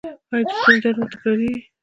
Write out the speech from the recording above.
ایا د ستوني درد مو تکراریږي؟